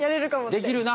できるな？